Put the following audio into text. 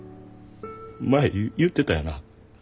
前言ってたよな。